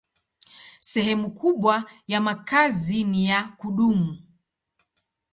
Sehemu kubwa ya makazi ni ya kudumu.